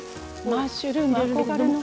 マッシュルーム憧れの。